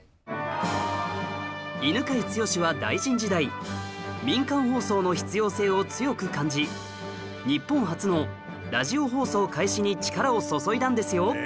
犬養毅は大臣時代民間放送の必要性を強く感じ日本初のラジオ放送開始に力を注いだんですよ